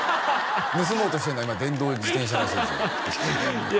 盗もうとしてんのは今電動自転車らしいですいや